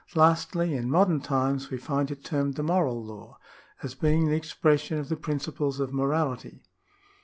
Lastly, in modern times we find it termed the Moral Law, as being the expression of the principles of morality.